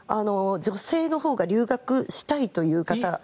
女性のほうが留学したいという方。